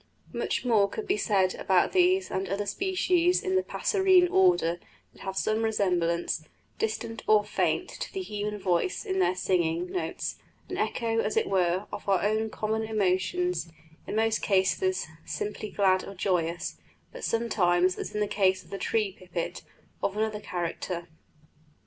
Much more could be said about these and other species in the passerine order that have some resemblance, distinct or faint, to the human voice in their singing notes an echo, as it were, of our own common emotions, in most cases simply glad or joyous, but sometimes, as in the case of the tree pipit, of another character.